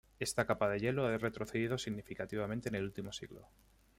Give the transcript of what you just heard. Esta capa de hielo ha retrocedido significativamente en el último siglo;.